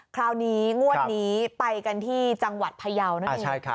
คราวนี้งวดนี้ไปกันที่จังหวัดพยาวนั่นเอง